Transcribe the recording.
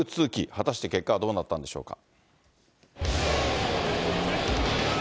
果たして結果はどうなったんでしょうか。